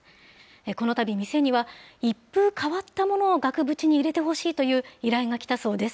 このたび店には、一風変わったものを額縁に入れてほしいという依頼が来たそうです。